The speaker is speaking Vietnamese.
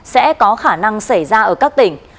sẽ có khả năng xảy ra ở các tỉnh